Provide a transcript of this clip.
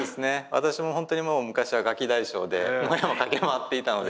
私も本当にもう昔はガキ大将で野山を駆け回っていたので。